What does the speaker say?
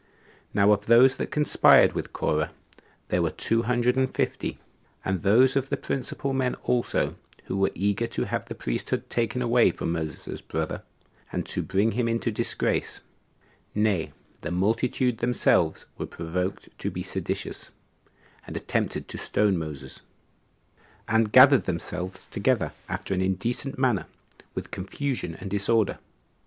Now of those that conspired with Corah, there were two hundred and fifty, and those of the principal men also, who were eager to have the priesthood taken away from Moses's brother, and to bring him into disgrace: nay, the multitude themselves were provoked to be seditious, and attempted to stone Moses, and gathered themselves together after an indecent manner, with confusion and disorder.